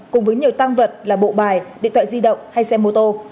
cùng với nhiều tăng vật là bộ bài điện thoại di động hay xe mô tô